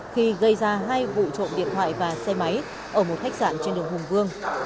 khi gây ra hai vụ trộm điện thoại và xe máy ở một khách sạn trên đường hùng vương